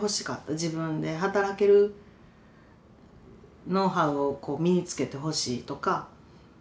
自分で働けるノウハウをこう身につけてほしいとか。